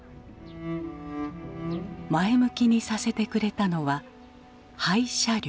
前向きにさせてくれたのは廃車両。